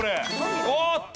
おっと！